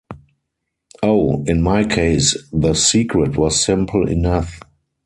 Oh, in my case the secret was simple enough.